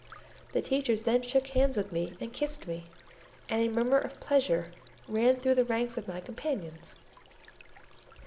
The teachers then shook hands with me and kissed me, and a murmur of pleasure ran through the ranks of my companions.